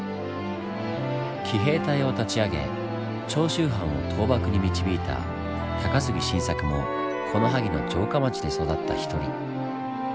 「奇兵隊」を立ち上げ長州藩を倒幕に導いた高杉晋作もこの萩の城下町で育った一人。